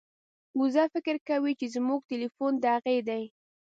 وزه فکر کوي چې زموږ ټیلیفون د هغې دی.